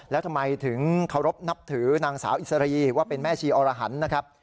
แล้วทำไมถึงเคารพนับถือนางสาวอิสรีว่าเป็นแม่ชีอรหันต์นะครับ